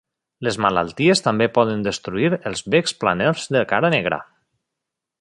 Les malalties també poden destruir els becs planers de cara negra.